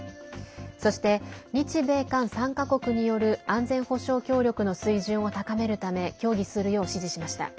そして日米韓３か国による安全保障協力の水準を高めるため協議するよう指示しました。